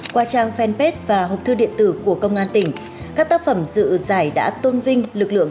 qua trang fanpage và hộp thư điện tử của công an tỉnh các tác phẩm dự giải đã tôn vinh lực lượng